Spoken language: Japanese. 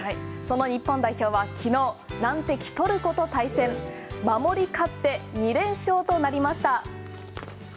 日本代表は昨日難敵トルコと対戦。守り勝って２連勝となりました。